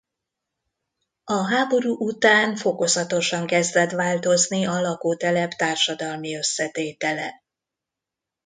A háború után fokozatosan kezdett változni a lakótelep társadalmi összetétele.